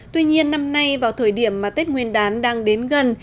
tuy nhiên năm nay vào thời điểm mà tết nguyên đán đang đến gần